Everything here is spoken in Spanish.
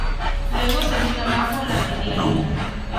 Luego se vino abajo la medialuna.